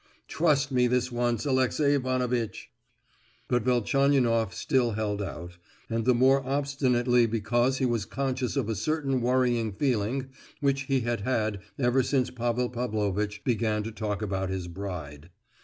Trust me this once, Alexey Ivanovitch!" But Velchaninoff still held out, and the more obstinately because he was conscious of a certain worrying feeling which he had had ever since Pavel Pavlovitch began to talk about his bride.